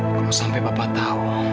kalau sampai papa tahu